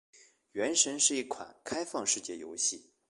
《原神》是一款开放世界游戏。